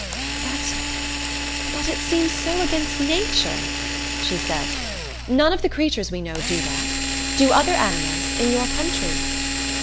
"But but it seems so against nature!" she said. "None of the creatures we know do that. Do other animals in your country?"